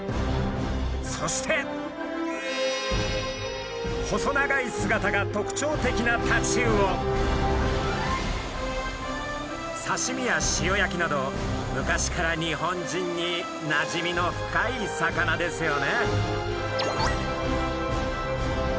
そして細長い姿が特徴的なさしみや塩焼きなど昔から日本人になじみの深い魚ですよね。